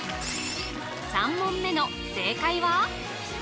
３問目の正解は？